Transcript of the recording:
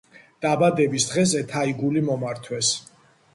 დაბადების დღეზე თაიგული მომართვეს.